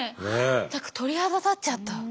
何か鳥肌立っちゃった。